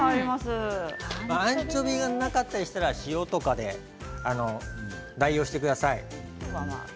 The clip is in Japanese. アンチョビがなかったりしたら、塩とかで代用してください。